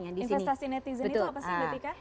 investasi netizen itu apa sih mbak tika